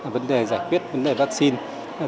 vấn đề giải quyết vấn đề vaccine